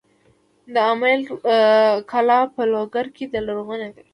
د امیل کلا په لوګر کې لرغونې ده